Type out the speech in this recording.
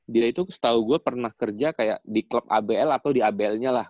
dia itu setau gua pernah kerja kayak di klub abel atau di abelnya lah